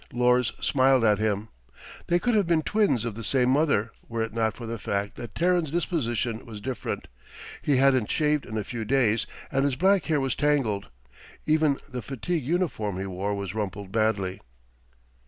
Lors smiled at him. They could have been twins of the same mother, were it not for the fact that Terran's disposition was different. He hadn't shaved in a few days, and his black hair was tangled. Even the fatigue uniform he wore was rumpled badly.